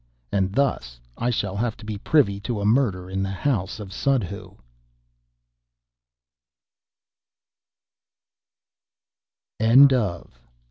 And thus I shall have to be privy to a murder in the house of Suddhoo.